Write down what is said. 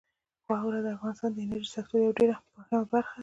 خاوره د افغانستان د انرژۍ سکتور یوه ډېره مهمه برخه ده.